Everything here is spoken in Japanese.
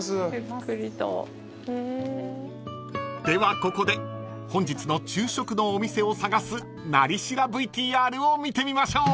ではここで本日の昼食のお店を探す「なり調」ＶＴＲを見てみましょう］